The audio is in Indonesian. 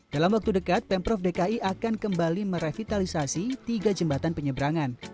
dalam waktu dekat pemprov dki akan kembali merevitalisasi tiga jembatan penyeberangan